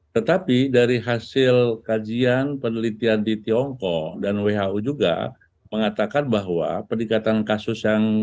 tetapi dari hasil kajian penelitian di tiongkok dan who juga mengatakan bahwa peningkatan kasus yang